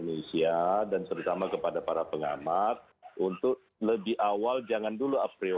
dalas yakni pak ferry amsari